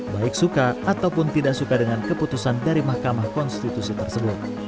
baik suka ataupun tidak suka dengan keputusan dari mahkamah konstitusi tersebut